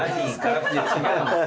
違うんです。